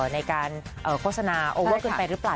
ในการโฆษณาโอเวอร์เกินไปหรือเปล่า